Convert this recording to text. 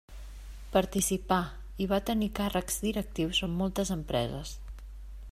Participà i va tenir càrrecs directius en moltes empreses.